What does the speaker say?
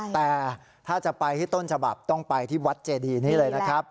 แต่ถ้าจะไปที่ต้นฉบับต้องไปที่วัดเจดีนี้เลยนะครับ